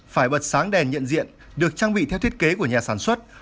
phải bật sáng đèn nhận diện được trang bị theo thiết kế của nhà sản xuất